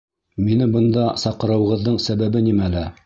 — Мине бында саҡырыуығыҙҙың сәбәбе нимәлә?